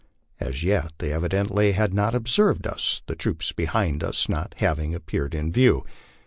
As yet they evidently had not ob served us, the troops behind us not having appeared in view.